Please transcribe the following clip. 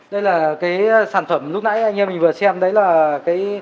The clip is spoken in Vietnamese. đây là cái sản phẩm lúc nãy anh em mình vừa xem đấy là cái